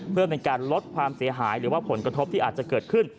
เพื่อเป็นการลดความเสียหายหรือว่าผลกระทบที่อาจจะเกิดขึ้น